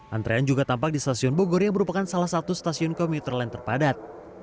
antrean juga tampak di stasiun bogor yang merupakan salah satu stasiun komuter lain terpadat